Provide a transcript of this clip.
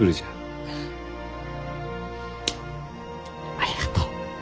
ありがとう。